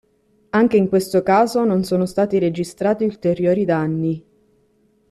Anche in questo caso non sono stati registrati ulteriori danni.